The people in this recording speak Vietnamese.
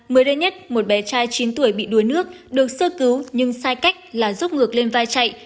mới đây nhất một bé trai chín tuổi bị đuối nước được sơ cứu nhưng sai cách là dốc ngược lên vai chạy